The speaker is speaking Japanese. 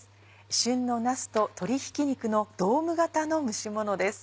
旬のなすと鶏ひき肉のドーム型の蒸しものです。